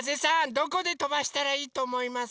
どこでとばしたらいいとおもいますか？